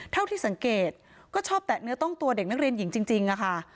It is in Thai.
เท่าที่สังเกตก็ชอบแตะเนื้อต้องตัวเด็กนักเรียนหญิงจริงค่ะ